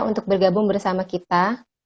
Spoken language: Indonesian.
untuk bergabung bersama kita